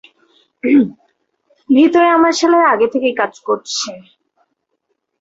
ভিতরে আমার ছেলেরা আগে থেকেই কাজ করছে।